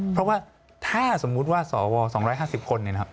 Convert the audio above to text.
เพราะว่าถ้าสมมุติว่าสว๒๕๐คน